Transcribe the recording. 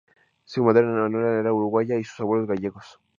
Su madre, Manuela, era uruguaya y sus abuelos gallegos.